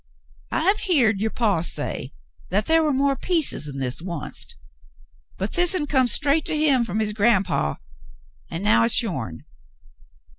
"I've heered your paw say 'at ther war more pleces'n this, oncet, but this'n come straight to him from his grand paw, an' now hit's yourn.